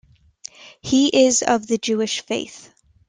He is of the Jewish faith.